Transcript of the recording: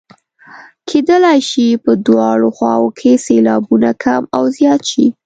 کیدلای شي په دواړو خواوو کې سېلابونه کم او زیات شي.